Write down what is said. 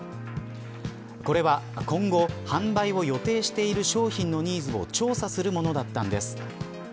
これは今後、販売を予定している商品のニーズを調査するものだったんです。